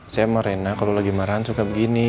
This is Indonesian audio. saya emang rena kalau lagi marahan suka begini